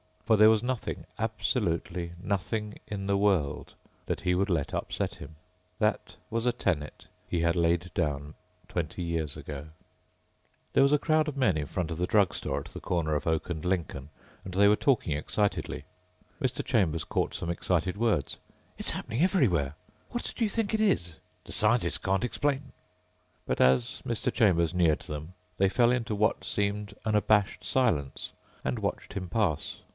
For there was nothing ... absolutely nothing in the world ... that he would let upset him. That was a tenet he had laid down twenty years ago. There was a crowd of men in front of the drugstore at the corner of Oak and Lincoln and they were talking excitedly. Mr. Chambers caught some excited words: "It's happening everywhere.... What do you think it is.... The scientists can't explain...." But as Mr. Chambers neared them they fell into what seemed an abashed silence and watched him pass.